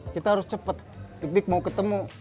kita harus cepet dik dik mau ketemu